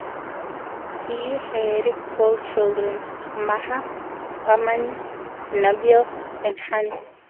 He had four children: Maha, Amani, Nabeel, and Hani.